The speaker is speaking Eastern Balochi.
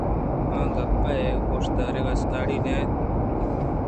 آگپ ءِ گوش دارگ ءَ ساڑی نہ اِت اَنت